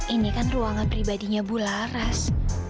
ini kan ruangan pribadinya bu laras